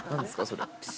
それ。